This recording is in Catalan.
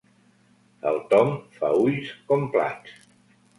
El Tom fa ulls com plats.